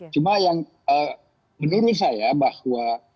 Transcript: cuma yang menurut saya bahwa